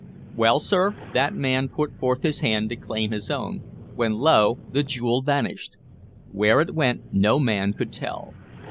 Well, sir, that man put forth his hand to claim his own when lo! the jewel vanished! Where it went no man could tell.